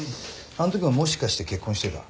あの時ももしかして結婚してた？